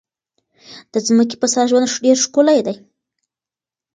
د ځمکې په سر ژوند ډېر ښکلی دی.